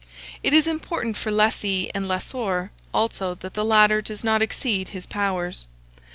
It is important for lessee, and lessor, also, that the latter does not exceed his powers.